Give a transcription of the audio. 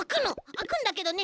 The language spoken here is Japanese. あくんだけどね